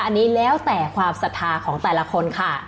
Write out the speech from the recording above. อันนี้แล้วแต่ความศรัทธาของแต่ละคนค่ะ